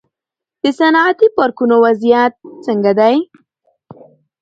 د صنعتي پارکونو وضعیت څنګه دی؟